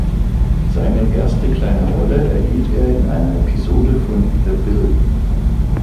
Seine erste kleine Rolle erhielt er in einer Episode von „The Bill“.